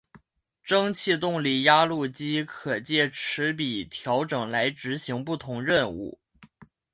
蒸气动力压路机可藉齿比调整来执行不同任务。